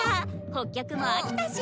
北極も飽きたし！